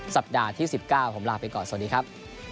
สัปดาห์ที่๑๙ผมลาไปก่อนสวัสดีครับ